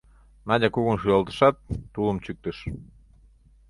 Надя кугун шӱлалтышат, тулым чӱктыш.